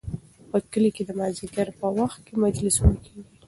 په کلي کې د مازدیګر په وخت کې مجلسونه کیږي.